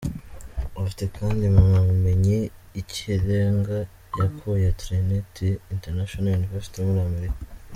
Afite kandi impamyabumenyi y’ikirenga yakuye Trinity International University muri Amerika.